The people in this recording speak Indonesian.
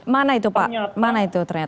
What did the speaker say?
mana itu pak mana itu